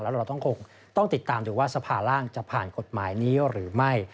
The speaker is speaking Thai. เราต้องคงต้องติดตามดูว่าสภาร่างจะผ่านกฎหมายนี้หรือไม่